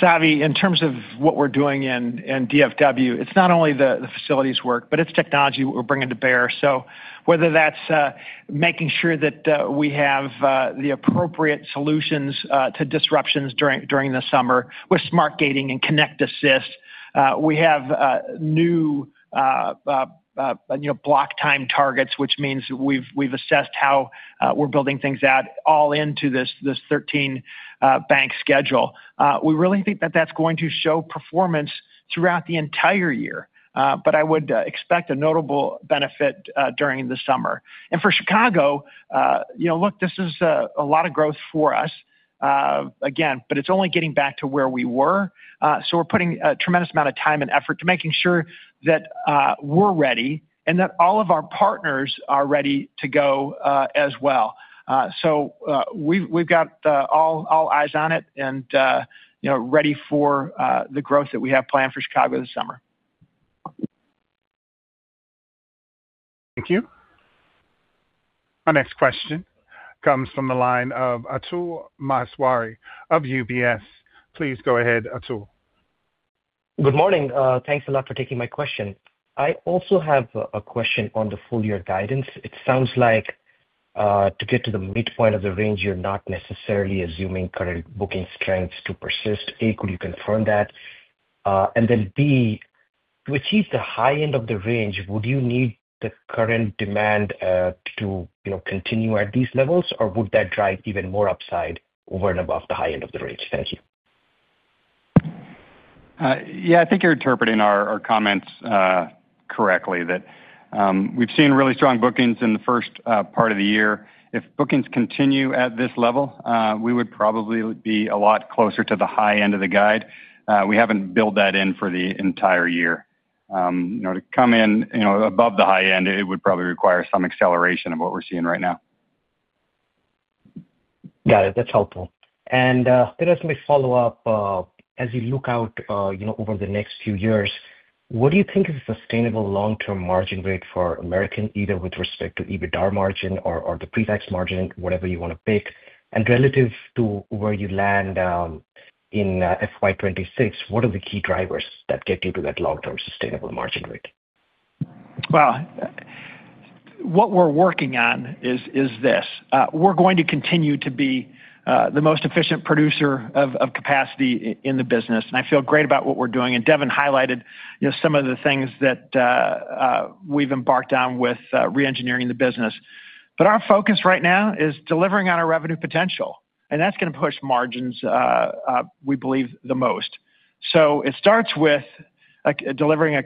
Savi, in terms of what we're doing in DFW, it's not only the facilities work, but it's technology we're bringing to bear. So whether that's making sure that we have the appropriate solutions to disruptions during the summer with Smart Gating and Connect Assist, we have new block time targets, which means we've assessed how we're building things out all into this 13-bank schedule. We really think that that's going to show performance throughout the entire year. I would expect a notable benefit during the summer. And for Chicago, look, this is a lot of growth for us, again, but it's only getting back to where we were. So we're putting a tremendous amount of time and effort to making sure that we're ready and that all of our partners are ready to go as well. So we've got all eyes on it and ready for the growth that we have planned for Chicago this summer. Thank you. Our next question comes from the line of Atul Maheswari of UBS. Please go ahead, Atul. Good morning. Thanks a lot for taking my question. I also have a question on the full-year guidance. It sounds like to get to the midpoint of the range, you're not necessarily assuming current booking strengths to persist. A, could you confirm that? And then B, to achieve the high end of the range, would you need the current demand to continue at these levels, or would that drive even more upside over and above the high end of the range? Thank you. Yeah, I think you're interpreting our comments correctly, that we've seen really strong bookings in the first part of the year. If bookings continue at this level, we would probably be a lot closer to the high end of the guide. We haven't built that in for the entire year. To come in above the high end, it would probably require some acceleration of what we're seeing right now. Got it. That's helpful. And let us follow up. As you look out over the next few years, what do you think is a sustainable long-term margin rate for American, either with respect to EBITDA margin or the pre-tax margin, whatever you want to pick? And relative to where you land in FY 2026, what are the key drivers that get you to that long-term sustainable margin rate? Well, what we're working on is this. We're going to continue to be the most efficient producer of capacity in the business. I feel great about what we're doing. Devon highlighted some of the things that we've embarked on with re-engineering the business. Our focus right now is delivering on our revenue potential. That's going to push margins, we believe, the most. It starts with delivering a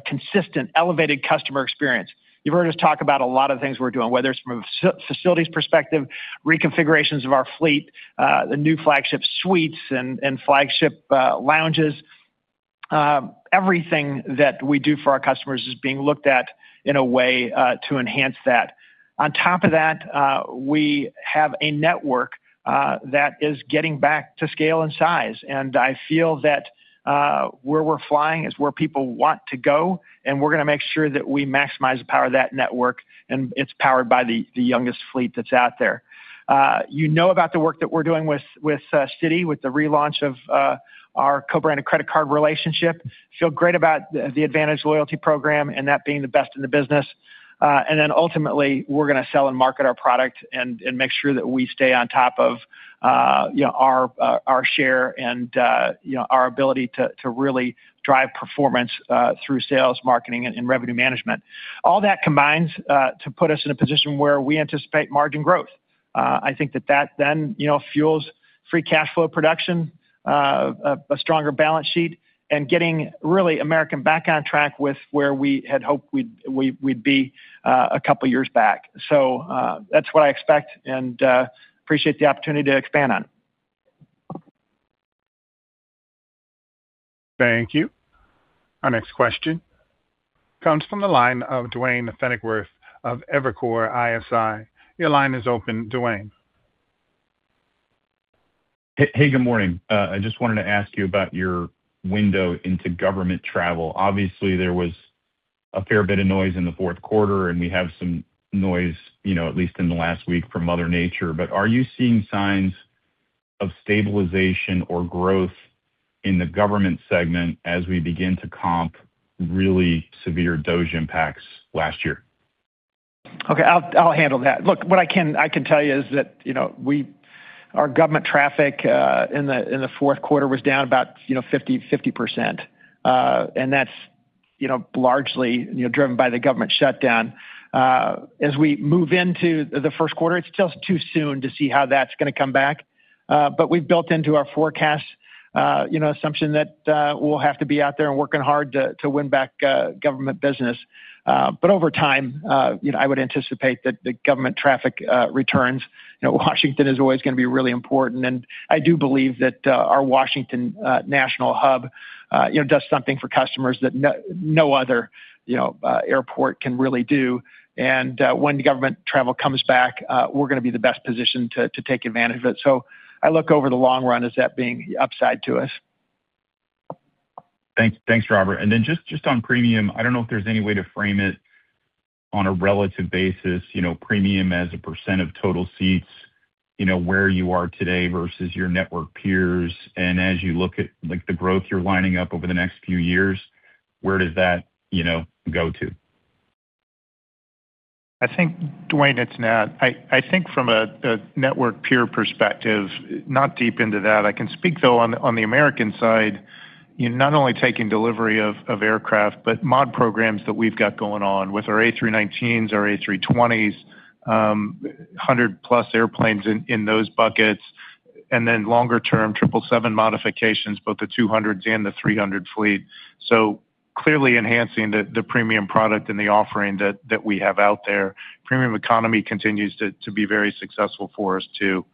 consistent, elevated customer experience. You've heard us talk about a lot of things we're doing, whether it's from a facilities perspective, reconfigurations of our fleet, the new Flagship Suites, and Flagship Lounges. Everything that we do for our customers is being looked at in a way to enhance that. On top of that, we have a network that is getting back to scale and size. I feel that where we're flying is where people want to go. We're going to make sure that we maximize the power of that network. It's powered by the youngest fleet that's out there. You know about the work that we're doing with Citi, with the relaunch of our co-branded credit card relationship. Feel great about the AAdvantage loyalty program and that being the best in the business. Then ultimately, we're going to sell and market our product and make sure that we stay on top of our share and our ability to really drive performance through sales, marketing, and revenue management. All that combines to put us in a position where we anticipate margin growth. I think that that then fuels free cash flow production, a stronger balance sheet, and getting really American back on track with where we had hoped we'd be a couple of years back. So that's what I expect and appreciate the opportunity to expand on. Thank you. Our next question comes from the line of Duane Pfennigwerth of Evercore ISI. Your line is open, Duane. Hey, good morning. I just wanted to ask you about your window into government travel. Obviously, there was a fair bit of noise in the fourth quarter, and we have some noise, at least in the last week, from Mother Nature. But are you seeing signs of stabilization or growth in the government segment as we begin to comp really severe D.C. impacts last year? Okay. I'll handle that. Look, what I can tell you is that our government traffic in the fourth quarter was down about 50%. And that's largely driven by the government shutdown. As we move into the first quarter, it's still too soon to see how that's going to come back. But we've built into our forecasts the assumption that we'll have to be out there and working hard to win back government business. But over time, I would anticipate that the government traffic returns. Washington is always going to be really important. And I do believe that our Washington National hub does something for customers that no other airport can really do. And when government travel comes back, we're going to be the best position to take advantage of it. So I look over the long run as that being upside to us. Thanks, Robert. And then just on premium, I don't know if there's any way to frame it on a relative basis. Premium as a % of total seats, where you are today versus your network peers. And as you look at the growth you're lining up over the next few years, where does that go to? I think, Duane, it's now. I think from a network peer perspective, not deep into that. I can speak, though, on the American side, not only taking delivery of aircraft, but mod programs that we've got going on with our A319s, our A320s, 100+ airplanes in those buckets, and then longer-term 777 modifications, both the 200s and the 300 fleet. So clearly enhancing the premium product and the offering that we have out there. Premium Economy continues to be very successful for us too.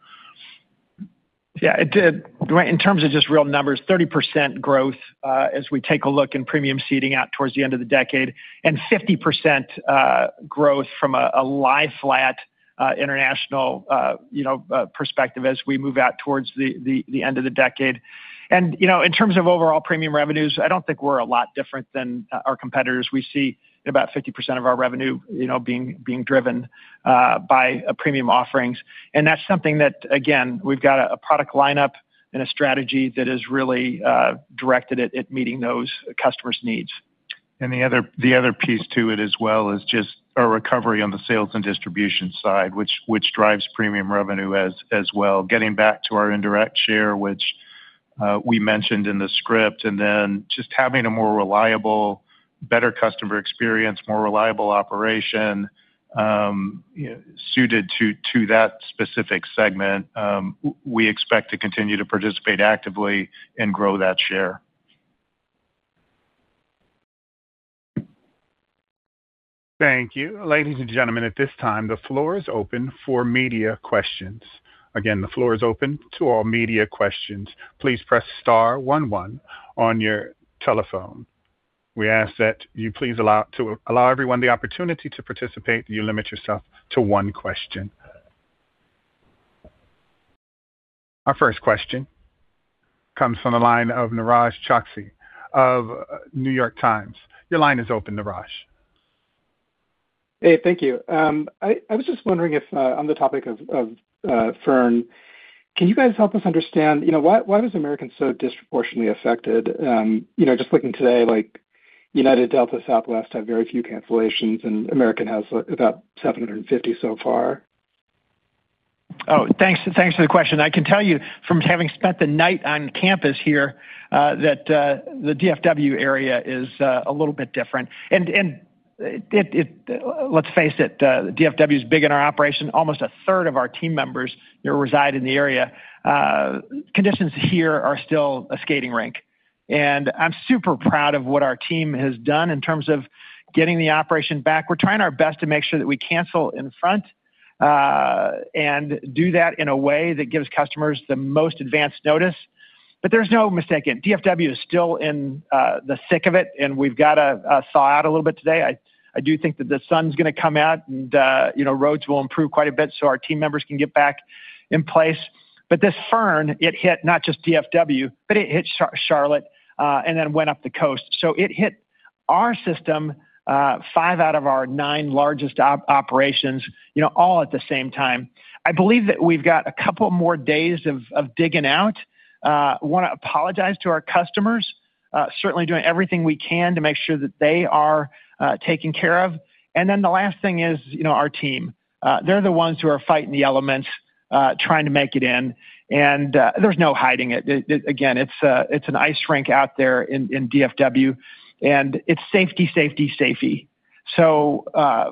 Yeah. In terms of just real numbers, 30% growth as we take a look in premium seating out towards the end of the decade, and 50% growth from a lie-flat international perspective as we move out towards the end of the decade. And in terms of overall premium revenues, I don't think we're a lot different than our competitors. We see about 50% of our revenue being driven by premium offerings. That's something that, again, we've got a product lineup and a strategy that is really directed at meeting those customers' needs. The other piece to it as well is just a recovery on the sales and distribution side, which drives premium revenue as well. Getting back to our indirect share, which we mentioned in the script, and then just having a more reliable, better customer experience, more reliable operation suited to that specific segment, we expect to continue to participate actively and grow that share. Thank you. Ladies and gentlemen, at this time, the floor is open for media questions. Again, the floor is open to all media questions. Please press star one one on your telephone. We ask that you please allow everyone the opportunity to participate. You limit yourself to one question. Our first question comes from the line of Niraj Chokshi of The New York Times. Your line is open, Niraj. Hey, thank you. I was just wondering if, on the topic of Fern, can you guys help us understand why was American so disproportionately affected? Just looking today, United Delta Southwest had very few cancellations, and American has about 750 so far. Oh, thanks for the question. I can tell you from having spent the night on campus here that the DFW area is a little bit different. And let's face it, DFW is big in our operation. Almost a third of our team members reside in the area. Conditions here are still a skating rink. And I'm super proud of what our team has done in terms of getting the operation back. We're trying our best to make sure that we cancel in front and do that in a way that gives customers the most advanced notice. But there's no mistaking. DFW is still in the thick of it, and we've got to slog out a little bit today. I do think that the sun's going to come out, and roads will improve quite a bit so our team members can get back in place. But this Fern, it hit not just DFW, but it hit Charlotte and then went up the coast. So it hit our system, five out of our nine largest operations, all at the same time. I believe that we've got a couple more days of digging out. I want to apologize to our customers, certainly doing everything we can to make sure that they are taken care of. And then the last thing is our team. They're the ones who are fighting the elements, trying to make it in. And there's no hiding it. Again, it's an ice rink out there in DFW, and it's safety, safety, safety. So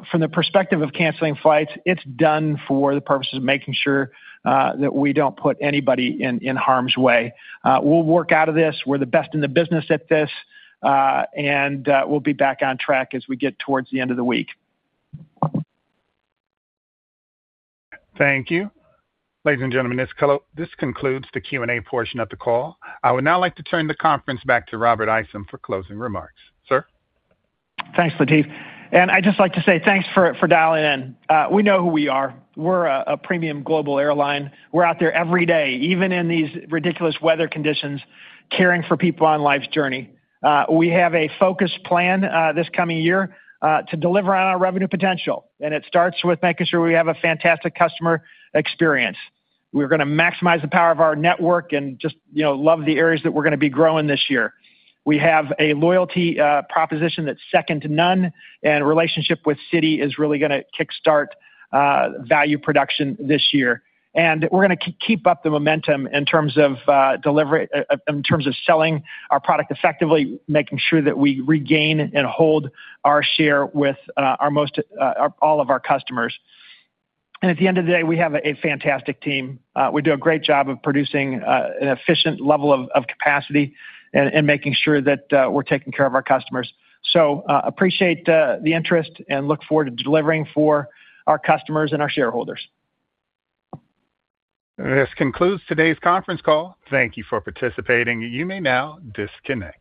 from the perspective of canceling flights, it's done for the purposes of making sure that we don't put anybody in harm's way. We'll work out of this. We're the best in the business at this. And we'll be back on track as we get towards the end of the week. Thank you. Ladies and gentlemen, this concludes the Q&A portion of the call. I would now like to turn the conference back to Robert Isom for closing remarks. Sir. Thanks, Latif. And I'd just like to say thanks for dialing in. We know who we are. We're a premium global airline. We're out there every day, even in these ridiculous weather conditions, caring for people on life's journey. We have a focused plan this coming year to deliver on our revenue potential. It starts with making sure we have a fantastic customer experience. We're going to maximize the power of our network and just love the areas that we're going to be growing this year. We have a loyalty proposition that's second to none, and relationship with Citi is really going to kickstart value production this year. We're going to keep up the momentum in terms of selling our product effectively, making sure that we regain and hold our share with all of our customers. At the end of the day, we have a fantastic team. We do a great job of producing an efficient level of capacity and making sure that we're taking care of our customers. So appreciate the interest and look forward to delivering for our customers and our shareholders. This concludes today's conference call. Thank you for participating. You may now disconnect.